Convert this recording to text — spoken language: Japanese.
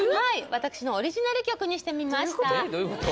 私のオリジナル曲にしてみました